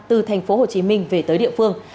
từ thành phố hồ chí minh về tới địa phương